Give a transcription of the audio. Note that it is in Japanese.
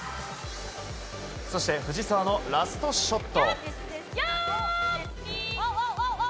そして藤澤のラストショット。